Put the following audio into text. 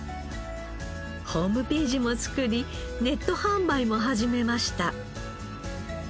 ホームページも作りネット販売も始めました。